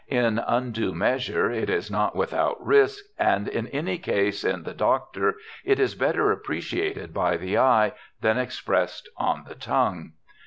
In undue measure it is not without risk, and in any case in the doctor it is better appreciated by the eye than expressed on the tongue.